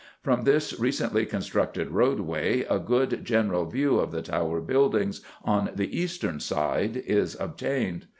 From this recently constructed roadway a good general view of the Tower buildings on the eastern side is obtained.